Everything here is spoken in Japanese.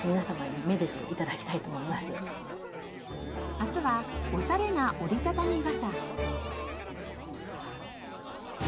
明日はおしゃれな折り畳み傘。